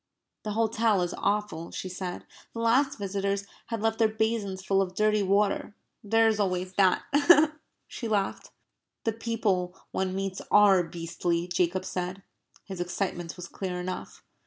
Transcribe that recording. "The hotel is awful," she said. "The last visitors had left their basins full of dirty water. There is always that," she laughed. "The people one meets ARE beastly," Jacob said. His excitement was clear enough.